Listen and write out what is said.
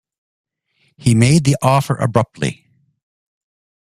He made the offer abruptly.